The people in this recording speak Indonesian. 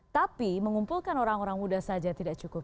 tapi mengumpulkan orang orang muda saja tidak cukup